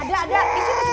ada ada disitu sebelah sana